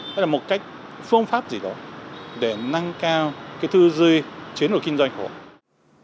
hay là một cái phương pháp gì đó để nâng cao cái thư duy chiến đấu kinh doanh của họ